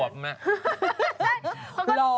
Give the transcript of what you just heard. ๔เดือน